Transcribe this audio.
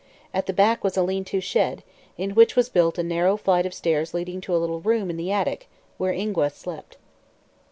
At the back was a lean to shed, in which was built a narrow flight of stairs leading to a little room in the attic, where Ingua slept.